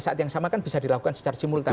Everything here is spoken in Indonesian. saat yang sama kan bisa dilakukan secara simultan